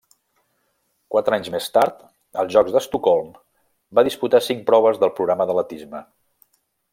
Quatre anys més tard, als Jocs d'Estocolm, va disputar cinc proves del programa d'atletisme.